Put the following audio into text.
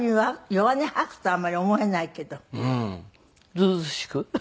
ずうずうしく？